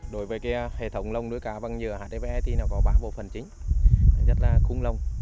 đối với hệ thống lồng nuôi cá bằng nhựa hdpe thì có ba bộ phần chính nhất là khung lồng